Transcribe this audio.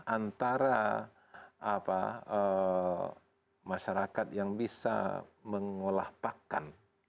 antara masyarakat yang bisa mengolah pakan